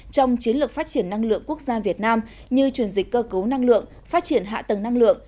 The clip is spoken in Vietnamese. trong chiến lược phát triển năng lượng quốc gia việt nam như truyền dịch cơ cấu năng lượng phát triển hạ tầng năng lượng